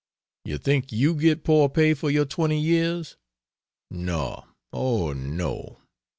You think you get "poor pay" for your twenty years? No, oh no.